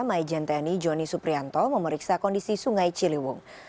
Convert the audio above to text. mai jenteni joni suprianto memeriksa kondisi sungai ciliwung